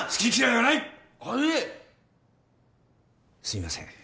はいすいません